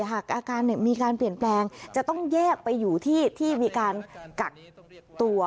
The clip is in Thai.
หากอาการมีการเปลี่ยนแปลงจะต้องแยกไปอยู่ที่ที่มีการกักตัว